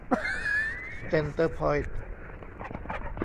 เซ็นเตอร์พอยท์